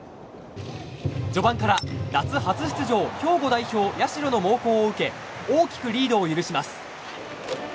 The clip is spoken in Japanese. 序盤から夏初出場兵庫代表・社の猛攻を受け大きくリードを許します。